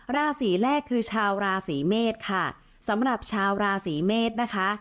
ราศีแรกคือชาวราศีเมษค่ะสำหรับชาวราศีเมษนะคะ